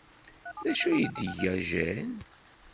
D acu ay d-tga Jane?